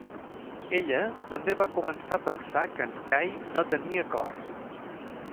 Ella també va començar a pensar que en Kay no tenia cor.